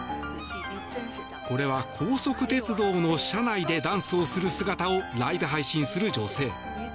これは、高速鉄道の車内でダンスをする姿をライブ配信する女性。